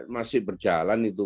masih berjalan itu